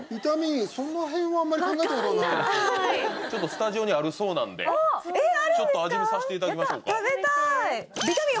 ちょっとスタジオにあるそうなんで味見させて頂きましょうか。